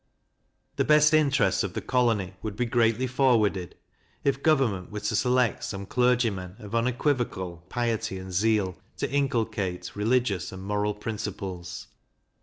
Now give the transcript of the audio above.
The best interests of the colony would be greatly forwarded, if government were to select some clergymen, of unequivocal piety and zeal, to inculcate religious and moral principles.